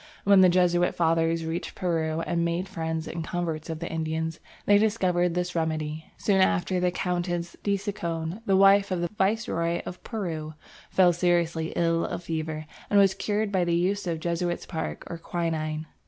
When the Jesuit fathers reached Peru and made friends and converts of the Indians, they discovered this remedy. Soon after the Countess de Chinchon, wife of the Viceroy of Peru, fell seriously ill of fever and was cured by the use of Jesuit's bark or quinine.